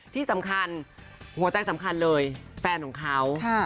ที่สำคัญหัวใจสำคัญเลยแฟนของเขา